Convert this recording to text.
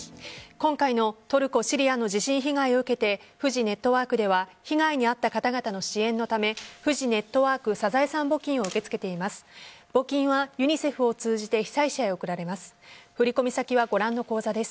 今回のトルコ・シリアの地震被害を受けてフジネットワークでは被害に遭った方々の支援のためフジネットワークサザエさん募金を受け付けています。